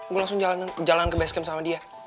gue langsung jalan ke base camp sama dia